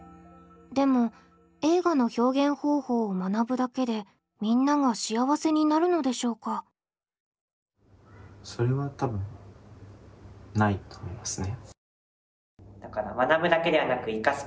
でも映画の表現方法を「学ぶ」だけでみんなが幸せになるのでしょうか？と思いますね。